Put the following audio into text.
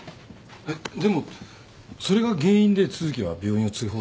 えっでもそれが原因で都築は病院を追放されたんですよね？